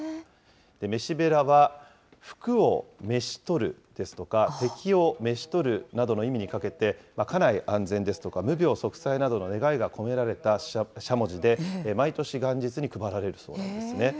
飯べらは、福をめしとるですとか、敵をめしとるなどの意味にかけて、家内安全ですとか、無病息災などの願いが込められたしゃもじで、毎年、元日に配られるそうなんですね。